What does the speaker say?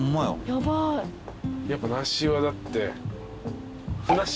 やっぱ梨はだって。